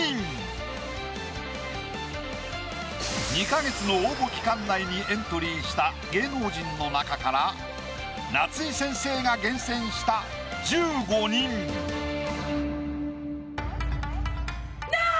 ２か月の応募期間内にエントリーした芸能人の中から夏井先生が厳選した１５人。なぁ！